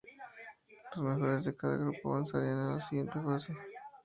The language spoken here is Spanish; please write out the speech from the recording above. Los mejores de cada grupo avanzarán a la siguiente fase.